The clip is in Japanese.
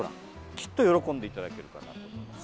きっと喜んでいただけるかなと思います。